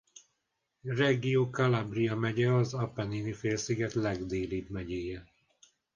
Reggio Calabria megye az Appennini-félsziget legdélibb megyéje.